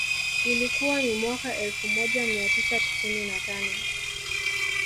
Ilikuwa ni mwaka elfu moja mia tisa tisini na tano